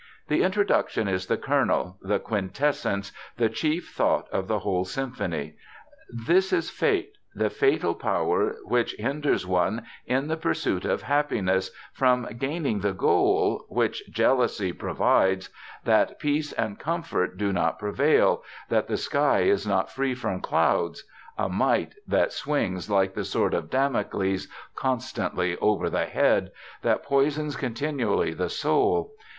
"The Introduction is the kernel, the quintessence, the chief thought of the whole symphony. This is Fate, the fatal power which hinders one in the pursuit of happiness from gaining the goal, which jealously provides that peace and comfort do not prevail, that the sky is not free from clouds—a might that swings, like the sword of Damocles, constantly over the head, that poisons continually the soul.